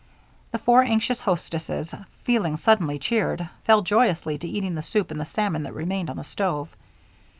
The four anxious hostesses, feeling suddenly cheered, fell joyously to eating the soup and the salmon that remained on the stove.